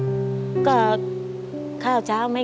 ผมคิดว่าสงสารแกครับ